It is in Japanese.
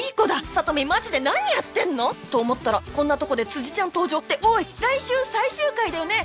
サトミンマジで何やってんの？と思ったらこんなとこで辻ちゃん登場っておい来週最終回だよね？